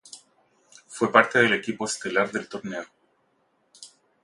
Fue parte del equipo estelar del torneo.